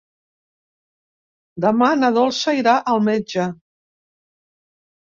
Demà na Dolça irà al metge.